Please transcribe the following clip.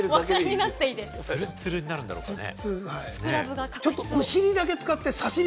ツルツルになるんだろうかね。